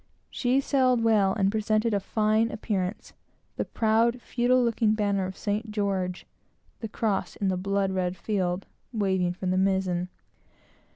She sailed well, and presented a fine appearance; the proud, aristocratic looking banner of St. George, the cross in a blood red field, waving from the mizen.